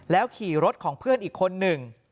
แล้วขี่รถของเพื่อนอีกคนนึง